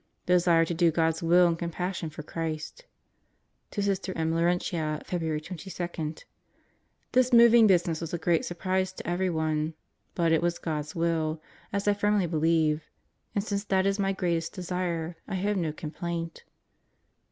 DESIRE TO Do GOD'S WILL AND COMPASSION FOR CHRIST To Sister M. Laurentia, Feb. 22: This moving business was a great surprise to everyone. But it was God's will as I firmly believe and since that is my greatest desire, I have no complaint.